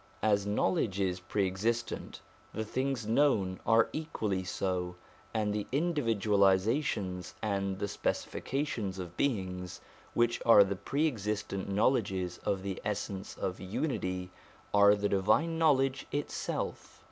As knowledge is pre existent, the things known are equally so, and the individualisations and the specifica tions of beings, which are the pre existent knowledges of the Essence of Unity, are the Divine Knowledge itself.